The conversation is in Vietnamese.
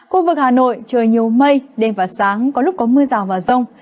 khu vực hà nội trời nhiều mây đêm và sáng có lúc có mưa rào và rông